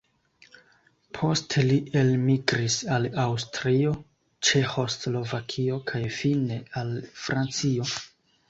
Poste li elmigris al Aŭstrio, Ĉeĥoslovakio kaj fine al Francio.